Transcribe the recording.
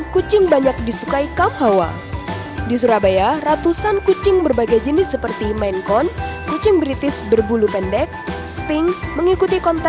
kucing berbulu pendek